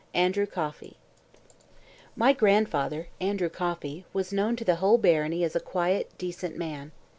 ANDREW COFFEY My grandfather, Andrew Coffey, was known to the whole barony as a quiet, decent man.